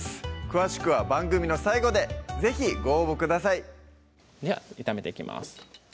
詳しくは番組の最後で是非ご応募くださいでは炒めていきます